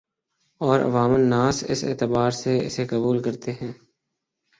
اور عوام الناس اسی اعتبار سے اسے قبول کرتے ہیں